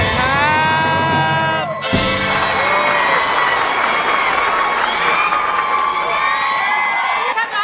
รับแล